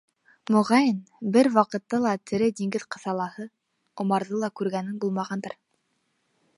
—Моғайын, бер ваҡытта ла тере диңгеҙ ҡыҫалаһы —омарҙы ла күргәнең булмағандыр...